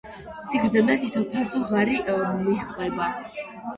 სიგრძემდე თითო ფართო ღარი მიჰყვება.